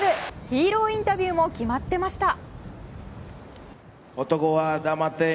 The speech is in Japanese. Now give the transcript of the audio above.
ヒーローインタビューも決まってました。